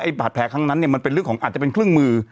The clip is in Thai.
บาดแผลครั้งนั้นเนี่ยมันเป็นเรื่องของอาจจะเป็นเครื่องมือ